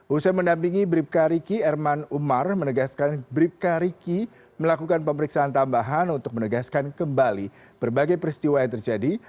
usai mendampingi bribka riki erman umar menegaskan bribka riki melakukan pemeriksaan tambahan untuk menegaskan kembali berbagai peristiwa yang terjadi